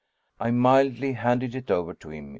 I mildly handed it over to him.